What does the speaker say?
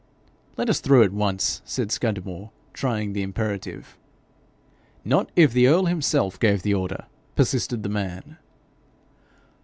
'Let us through at once,' said Scudamore, trying the imperative. 'Not if the earl himself gave the order,' persisted the man.